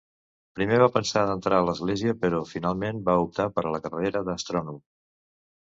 Primer va pensar d'entrar a l'església però finalment va optar per a la carrera d'astrònom.